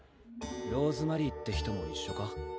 ローズマリーって人も一緒か？